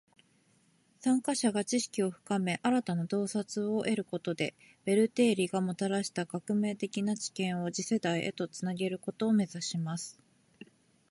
参加者が知識を深め，新たな洞察を得ることで，ベル定理がもたらした革命的な知見を次世代へと繋げることを目指します．